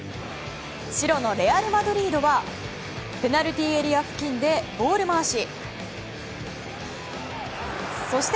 白のレアル・マドリードはペナルティーエリア付近でボール回し。